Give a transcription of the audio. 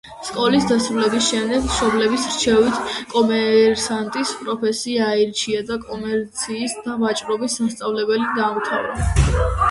სკოლის დასრულების შემდეგ, მშობლების რჩევით, კომერსანტის პროფესია აირჩია და კომერციისა და ვაჭრობის სასწავლებელი დაამთავრა.